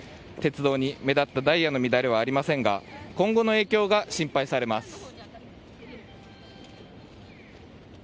鉄道に目立ったダイヤの乱れはありませんが今後の影響が心配されます。